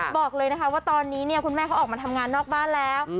บอกเลยนะคะว่าตอนนี้เนี่ยคุณแม่เขาออกมาทำงานนอกบ้านแล้ว